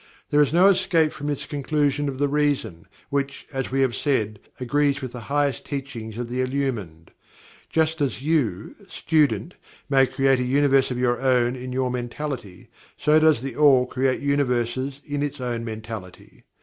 There is no escape from this conclusion of the Reason, which, as we have said, agrees with the highest teachings of the Illumined. Just as you, student, may create a Universe of your own in your mentality, so does THE ALL create Universes in its own Mentality.